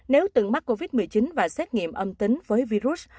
nếu từng mắc covid một mươi chín và xét nghiệm âm tính với virus